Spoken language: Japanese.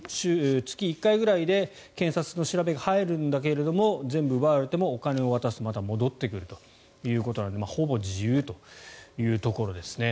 月１回ぐらいで検察の調べが入るんだけども全部奪われてもお金を渡すと戻ってくるということでほぼ自由というところですね。